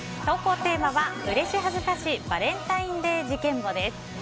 投稿テーマは、うれし恥ずかしバレンタインデー事件簿です。